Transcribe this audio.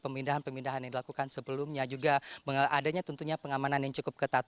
pemindahan pemindahan yang dilakukan sebelumnya juga adanya tentunya pengamanan yang cukup ketat